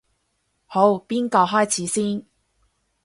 好，邊個開始先？